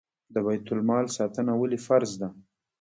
د بیت المال ساتنه ولې فرض ده؟